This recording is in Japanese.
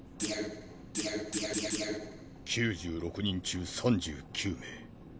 ９６人中３９名。